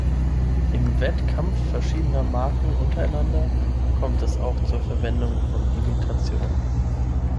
Im Wettkampf verschiedener Marken untereinander kommt es auch zur Verwendung von Imitationen.